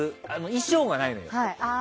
衣装がないのよ。